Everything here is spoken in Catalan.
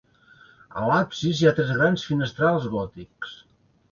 A l'absis hi ha tres grans finestrals gòtics.